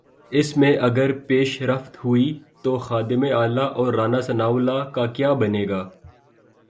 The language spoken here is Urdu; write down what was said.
اس میں اگر پیش رفت ہوئی تو خادم اعلی اور رانا ثناء اللہ کا کیا بنے گا؟